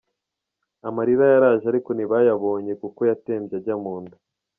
Amarira yaraje ariko ntibayabonye kuko yatembye ajya mu nda.